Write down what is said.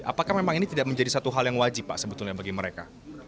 apakah memang ini tidak menjadi satu hal yang wajib pak sebetulnya bagi mereka